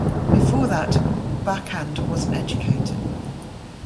Before that Bachand was an educator.